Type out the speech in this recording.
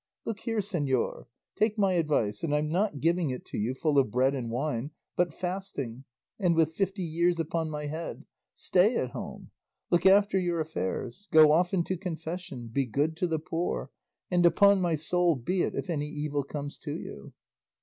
Look here, señor; take my advice and I'm not giving it to you full of bread and wine, but fasting, and with fifty years upon my head stay at home, look after your affairs, go often to confession, be good to the poor, and upon my soul be it if any evil comes to you."